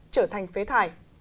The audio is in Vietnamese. trở thành phế thải